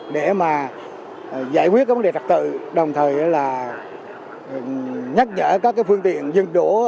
để giải quyết vấn đề trật tự đồng thời nhắc nhở các phương tiện dân đổ